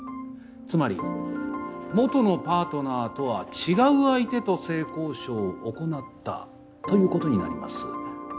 つまり元のパートナーとは違う相手と性交渉を行ったということになります。